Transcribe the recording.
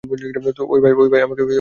ওহ, ভাই, আমায় ক্ষমা করে দিও।